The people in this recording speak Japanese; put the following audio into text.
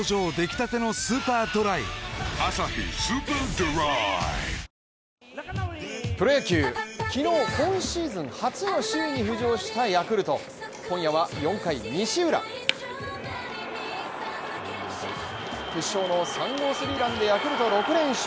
ＪＴプロ野球、昨日、今シーズン初の首位に浮上したヤクルト今夜が４回で西浦決勝の３号３弾でヤクルト６連勝